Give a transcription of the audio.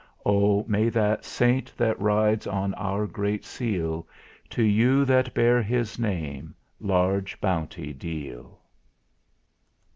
O! may that Saint that rides on our Great Seal, To you that bear his name, large bounty deal.